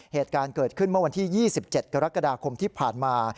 เหตุการณ์เกิดขึ้นเมื่อวันที่๒๗กรกฎาคมที่ผ่านมา